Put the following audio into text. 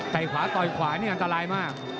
แต่ขวาต่อยขวานี่อันตรายมาก